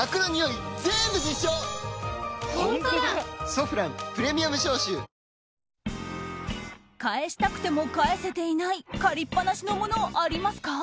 「ソフランプレミアム消臭」返したくても返せていない借りっぱなしのものありますか？